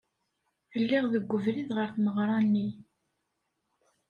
Lliɣ deg ubrid ɣer tmeɣra-nni.